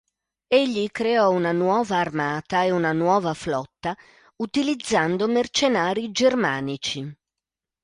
Egli creò una nuova armata e una nuova flotta, utilizzando mercenari germanici.